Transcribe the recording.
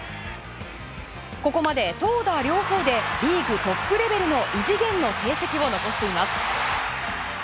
ここまで投打両方でリーグトップレベルの異次元の成績を残しています。